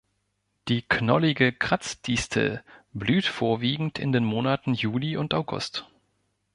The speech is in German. Die Knollige Kratzdistel blüht vorwiegend in den Monaten Juli und August.